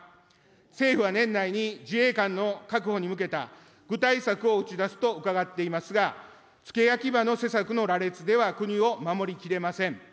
政府は年内に、自衛官の確保に向けた具体策を打ち出すと伺っていますが、付け焼き刃の施策の羅列では国を守りきれません。